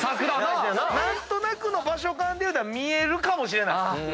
何となくの場所勘でいうたら見えるかもしれない。